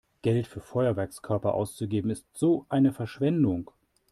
Geld für Feuerwerkskörper auszugeben ist so eine Verschwendung!